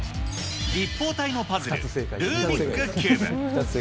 立方体のパズル、ルービックキューブ。